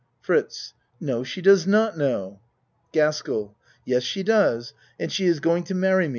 FRITZ No she does not know. GASKELL Yes she does and she is going to mar ry me.